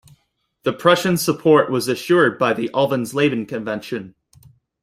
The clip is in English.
The Prussian support was assured by the Alvensleben Convention.